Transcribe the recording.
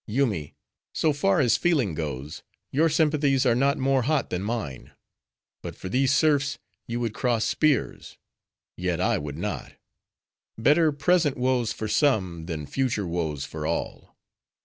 Yoomy: so far as feeling goes, your sympathies are not more hot than mine; but for these serfs you would cross spears; yet, I would not. Better present woes for some, than future woes for all."